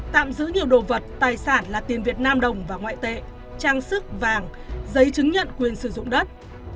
tạm giữ nhiều đồ vật tài sản là tiền việt nam đồng và ngoại tệ trang sức vàng giấy chứng nhận quyền sử dụng đất